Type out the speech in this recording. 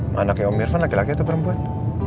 mana kayak pak irfan laki laki atau perempuan